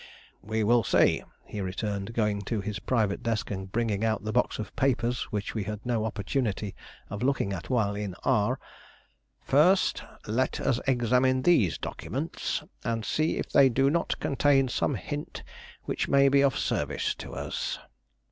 "Humph! we will see," he returned, going to his private desk and bringing out the box of papers which we had no opportunity of looking at while in R . "First let us examine these documents, and see if they do not contain some hint which may be of service to us."